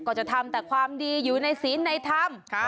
ก็จะทำแต่ความดีอยู่ในศีลในธรรม